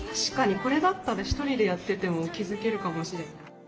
これだったら１人でやってても気付けるかもしれない。